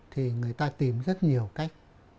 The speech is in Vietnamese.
thì người ta tìm rất nhiều cách